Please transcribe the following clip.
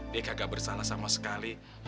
dia kagak bersalah sama sekali